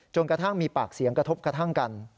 กระทั่งมีปากเสียงกระทบกระทั่งกัน